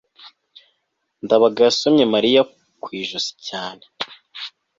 ndabaga yasomye mariya ku ijosi cyane